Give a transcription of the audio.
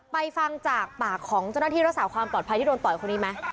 ฟังจากปากของเจ้าหน้าที่รักษาความปลอดภัยที่โดนต่อยคนนี้ไหม